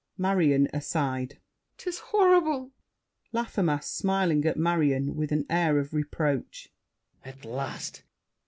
MARION (aside). 'Tis horrible! LAFFEMAS (smiling at Marion, with an air of reproach). At last!